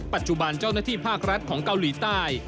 ปัจจุบันเจ้าหน้าที่ภาครัฐของเกาหลีใต้